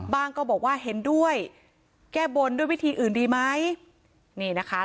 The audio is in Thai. ก็บอกว่าเห็นด้วยแก้บนด้วยวิธีอื่นดีไหมนี่นะคะ